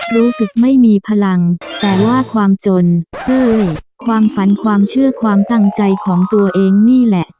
รู้สึกไม่มีพลังแต่ว่าความจนเฮ้ยความฝันความเชื่อความตั้งใจของตัวเองนี่แหละ